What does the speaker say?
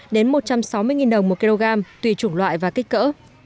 đến một trăm sáu mươi đồng một kg tùy chủng loại và kích cỡ